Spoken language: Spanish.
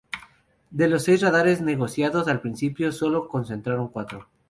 De los seis radares negociados al principio, sólo se concretaron cuatro.